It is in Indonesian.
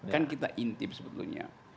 kan kita intip sebetulnya